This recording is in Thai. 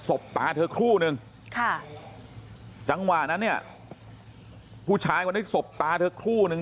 บตาเธอครู่นึงค่ะจังหวะนั้นเนี่ยผู้ชายคนนี้สบตาเธอครู่นึง